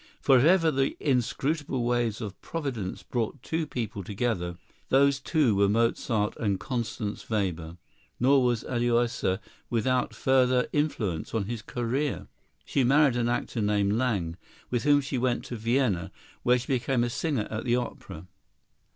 For, if ever the inscrutable ways of Providence brought two people together, those two were Mozart and Constance Weber. Nor was Aloysia without further influence on his career. She married an actor named Lange, with whom she went to Vienna, where she became a singer at the opera.